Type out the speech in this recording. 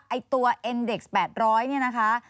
ไอ้ตัวเอ็นเด็ก๘๐๐เนี่ยนะคะ